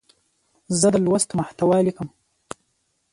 زه د لوست محتوا لیکم.